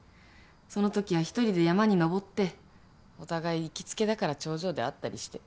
そのときは１人で山に登ってお互い行きつけだから頂上で会ったりして。